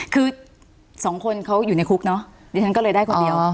คือสองคนเขาอยู่ในคุกเนอะดิฉันก็เลยได้คนเดียว